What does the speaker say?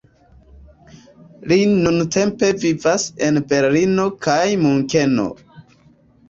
Li nuntempe vivas en Berlino kaj Munkeno.